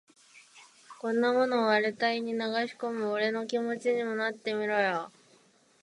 こんなものを荒れた胃に流し込む俺の気持ちにもなってみろよ。